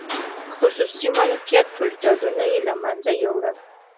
خصوصي مالکیت ټول ډولونه یې له منځه یووړل.